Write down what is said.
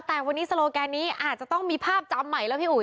แต่วันนี้โซโลแกนนี้อาจจะต้องมีภาพจำใหม่แล้วพี่อุ๋